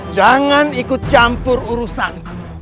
jangan ikut campur urusan